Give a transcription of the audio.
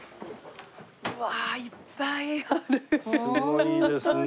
すごいですね。